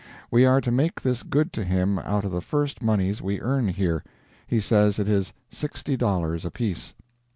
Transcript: We are to make this good to him out of the first moneys we earn here. He says it is sixty dollars apiece.